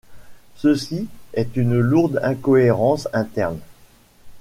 Ceci est une lourde incohérence interne.